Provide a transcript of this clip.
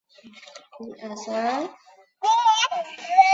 授监察御史。